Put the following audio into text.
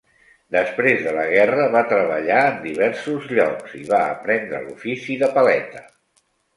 Després de la guerra va treballar en diversos llocs i va aprendre l'ofici de paleta.